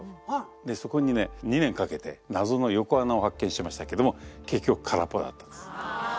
でそこにね２年かけて謎の横穴を発見しましたけども結局空っぽだったんです。